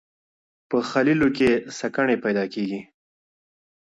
په خلیلو کې سَکَڼې پیدا کېږي